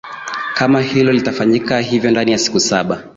kama hilo litafanyika hivyo ndani ya siku saba